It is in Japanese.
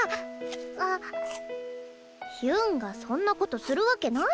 あヒュンがそんなことするわけないじゃん。